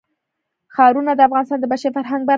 ښارونه د افغانستان د بشري فرهنګ برخه ده.